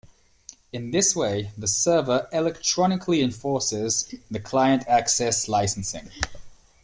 In this way, the server "electronically enforces" the Client Access licensing.